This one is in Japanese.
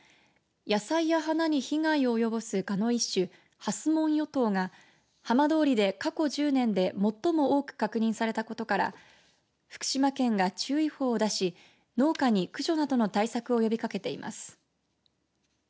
野菜や花に被害を及ぼすガの一種ハスモンヨトウが浜通りで過去１０年で最も多く確認されたことから福島県が注意報を出し農家に駆除などの対策を呼びかけています。